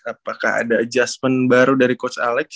apakah ada adjustment baru dari coach alex